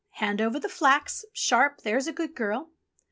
hand over the flax, sharp, there's a good girl."